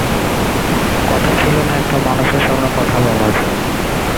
কথা ছিল না একটা মানুষের সামনে কথা বলার।